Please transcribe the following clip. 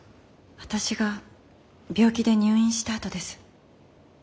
私が病気で入院したあとです。